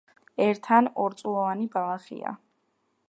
ერთ ან ორწლოვანი ბალახია.